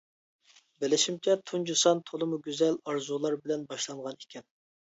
بىلىشىمچە تۇنجى سان تولىمۇ گۈزەل ئارزۇلار بىلەن باشلانغان ئىكەن.